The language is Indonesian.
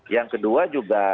yang kedua juga